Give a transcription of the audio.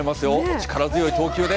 力強い投球で。